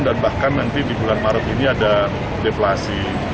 dan bahkan nanti di bulan maret ini ada deflasi